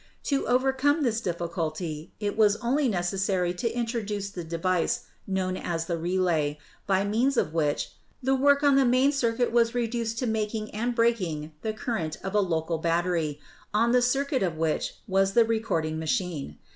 To overcome this difficulty it was only neces sary to introduce the device known as the 'relay,' by means of which the work on the main circuit was reduced 300 ELECTRICITY to making and breaking the current of a local battery, on the circuit of which was the recording machine.